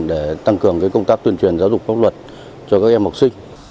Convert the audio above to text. để tăng cường công tác tuyên truyền giáo dục pháp luật cho các em học sinh